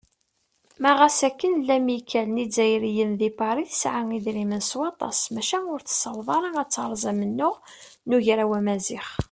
Ma ɣas akken lamikkal n yizzayriyen di Pari tesɛa idrimen s waṭas, maca ur tessaweḍ ara ad teṛṛez amennuɣ n Ugraw Amaziɣ.